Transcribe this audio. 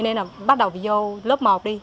nên là bắt đầu vô lớp một đi